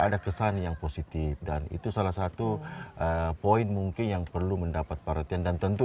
ada kesan yang positif dan itu salah satu poin mungkin yang perlu mendapat perhatian dan tentu